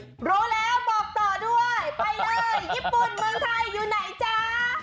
รู้แล้วบอกต่อด้วยไปเลยญี่ปุ่นเมืองไทยอยู่ไหนจ๊ะ